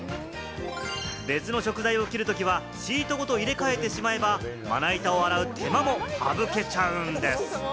別の食材を切るときは、シートごと入れ替えてしまえば、まな板を洗う手間も省けちゃうんです。